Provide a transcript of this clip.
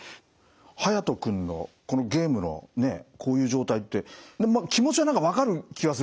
ハヤト君のゲームのこういう状態って気持ちは何か分かる気はするんですよね。